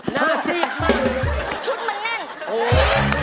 หน้าซีดชุดมันแน่น